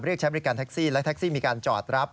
ใช้บริการแท็กซี่และแท็กซี่มีการจอดรับ